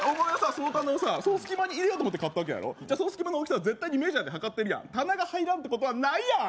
その棚をさその隙間に入れようと思って買ったわけやろその隙間の大きさは絶対にメジャーで測ってるやん棚が入らんってことはないやん！